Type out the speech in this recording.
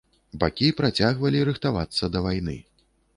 Бакі працягвалі рыхтавацца да вайны.